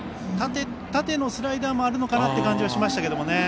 縦のスライダーもあるのかなという感じはしましたけど。